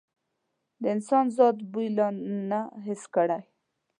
د انسان ذات بوی لا نه و حس کړی.